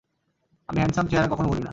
আমি হ্যান্ডসাম চেহারা কখনো ভুলি না।